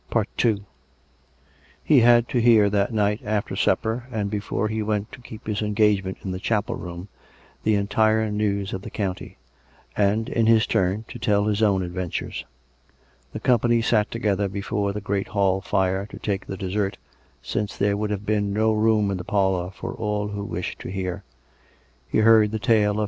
II He had to hear that night, after supper, and before he went to keep his engagement in the chapel room, the entire news of the county; and, in his turn, to tell his own ad ventures. The company sat together before the great hall fire, to take the dessert, since there would have been no room in the parlour for all who wished to hear. (He heard 318 COME RACK! COME ROPE!